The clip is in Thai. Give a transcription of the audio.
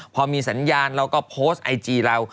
พอมีสัญญาณเราก็โพสต์ไอจีเรา